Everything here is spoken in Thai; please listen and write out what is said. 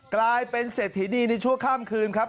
กลายเป็นเศรษฐีดีในชั่วข้ามคืนครับ